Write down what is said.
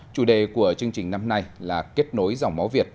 chủ đề của chương trình năm nay là kết nối dòng máu việt